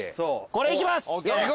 これいきます！